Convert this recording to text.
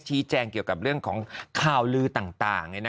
แจ้งเกี่ยวกับเรื่องของข่าวลือต่าง